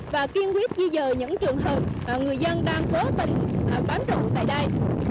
và kiên quyết di rời những trường hợp người dân đang cố tình bám trụ tại đây